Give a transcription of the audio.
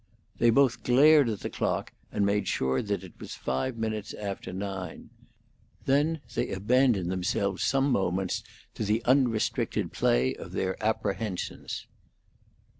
They both glared at the clock and made sure that it was five minutes after nine. Then they abandoned themselves some moments to the unrestricted play of their apprehensions.